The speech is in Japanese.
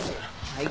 はい。